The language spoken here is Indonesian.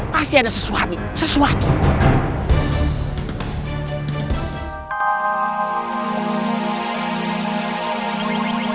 pasti ada sesuatu sesuatu